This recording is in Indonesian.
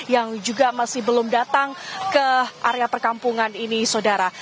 yang juga masih belum datang ke area perkampungan ini saudara